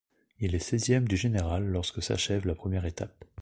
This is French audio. Il est seizième du général lorsque s'achève la première étape.